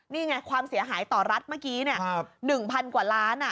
นี่ไงความเสียหายต่อรัฐเมื่อกี้๑๐๐กว่าล้าน